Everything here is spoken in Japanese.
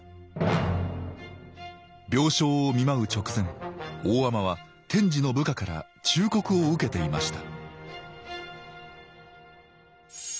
病床を見舞う直前大海人は天智の部下から忠告を受けていました